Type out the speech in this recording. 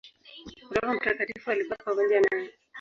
Roho Mtakatifu alikuwa pamoja naye.